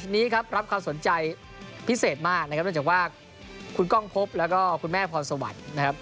ชนี้ครับรับความสนใจพิเศษมากนะครับเนื่องจากว่าคุณก้องพบแล้วก็คุณแม่พรสวรรค์นะครับ